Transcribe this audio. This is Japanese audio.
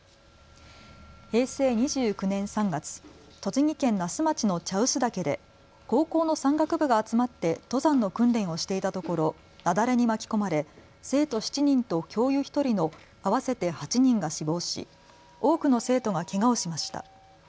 平成２９年３月、栃木県那須町の茶臼岳で高校の山岳部が集まって登山の訓練をしていたところ雪崩に巻き込まれ、生徒７人と教諭１人の合わせて８人が死亡し多くの生徒がけがをしました。